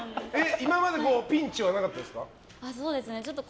今までピンチはなかったですか。